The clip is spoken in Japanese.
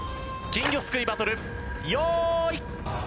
金魚すくいバトル用意。